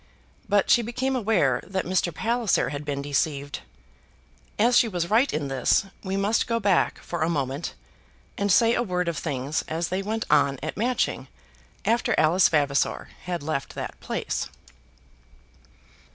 But she became aware that Mr. Palliser had been deceived. As she was right in this we must go back for a moment, and say a word of things as they went on at Matching after Alice Vavasor had left that place.